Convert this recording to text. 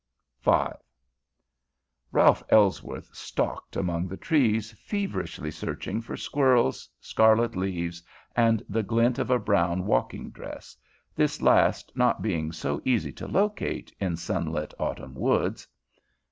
V Ralph Ellsworth stalked among the trees, feverishly searching for squirrels, scarlet leaves, and the glint of a brown walking dress, this last not being so easy to locate in sunlit autumn woods.